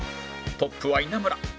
トップは稲村